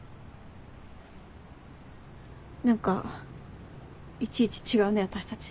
何かいちいち違うね私たち。